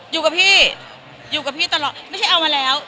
อยู่กับพี่อยู่กับพี่ตลอดไม่ใช่เอามาแล้ว